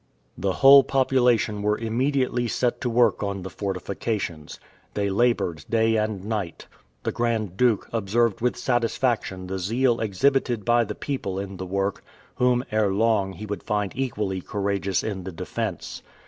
The whole population were immediately set to work on the fortifications. They labored day and night. The Grand Duke observed with satisfaction the zeal exhibited by the people in the work, whom ere long he would find equally courageous in the defense.